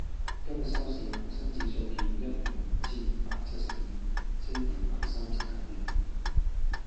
今日收市，恒生指數見一萬五千六百七十點，升二百三十九點